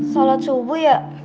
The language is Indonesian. salat subuh ya